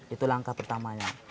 itu langkah pertamanya